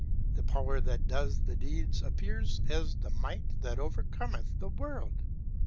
The power that does the deeds appears as the might that overcometh the world.